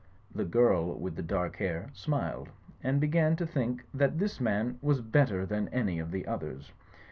The girl with the dark hair smiled, and began to think that this man was better than any of the others.